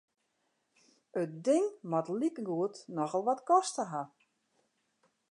It ding moat likegoed nochal wat koste ha.